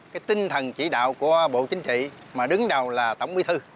cái tinh thần chỉ đạo của bộ chính trị mà đứng đầu là tổng bí thư